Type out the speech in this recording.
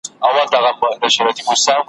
ووایه: راځه یو بل ووینو.